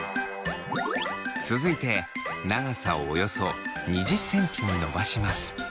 続いて長さをおよそ２０ｃｍに伸ばします。